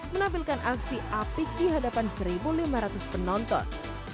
menampilkan aksi apik di hadapan satu lima ratus penonton